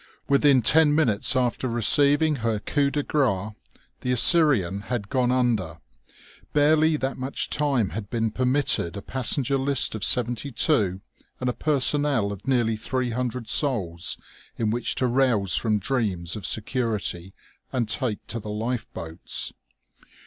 Within ten minutes after receiving her coup de grâce the Assyrian had gone under; barely that much time had been permitted a passenger list of seventy two and a personnel of nearly three hundred souls in which to rouse from dreams of security and take to the lifeboats.